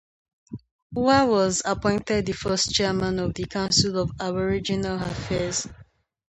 Hua was appointed the first chairman of the Council of Aboriginal Affairs.